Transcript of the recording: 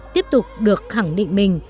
tiếp tục được khẳng định mình